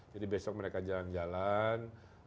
jadi besok mereka jalan jalan